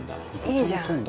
いいじゃん！